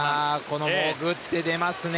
潜って出ますよね